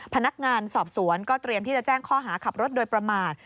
พนักงานสอบสวนก็เตรียมที่จะแจ้งข้อหาขับรถโดยประมาท